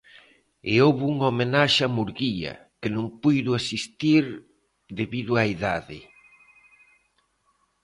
E houbo unha homenaxe a Murguía, que non puido asistir debido á idade.